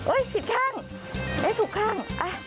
อุ๊ยผิดข้างถูกข้าง